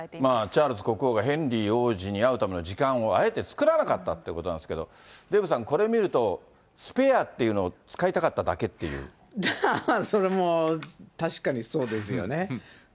チャールズ国王がヘンリー王子に会うための時間をあえて作らなかったってことなんですけれども、デーブさん、これ見ると、スペアっていうのを使いたかっただけっていう。それも確かにそうですよね。